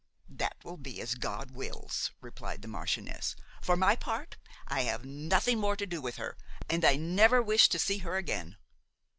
"That will be as God wills," replied the marchioness; "for my part, I'll have nothing more to do with her and I never wish to see her again."